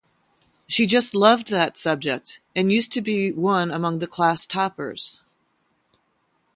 She just loved that subject and used to be one among the class toppers.